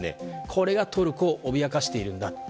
これがトルコを脅かしているんだ。